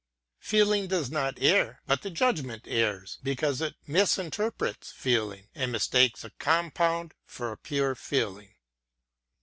Feeling does not err; but the judgment errs, because it misinterprets feeling, and mistakes a compound for a pure feeling.